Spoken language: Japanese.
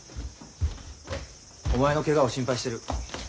お前のケガを心配してる。